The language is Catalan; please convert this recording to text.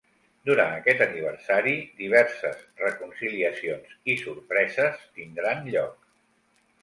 Durant aquest aniversari, diverses reconciliacions i sorpreses tindran lloc.